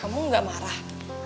kamu gak marah